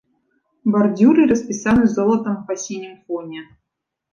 Бардзюры распісаны золатам па сінім фоне.